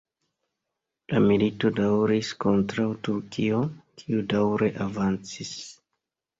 La milito daŭris kontraŭ Turkio, kiu daŭre avancis.